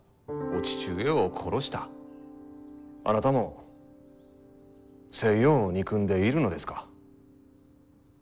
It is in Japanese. あなたも西洋を憎んでいるのですか？